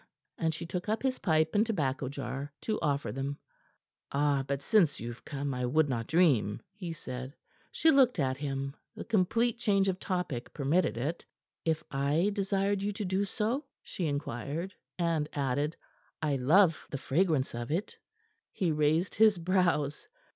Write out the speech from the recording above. And she took up his pipe and tobacco jar to offer them. "Ah, but since you've come, I would not dream," he said. She looked at him. The complete change of topic permitted it. "If I desired you so to do?" she inquired, and added: "I love the fragrance of it." He raised his brows.